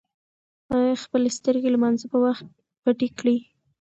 انا خپلې سترگې د لمانځه په وخت پټې کړې.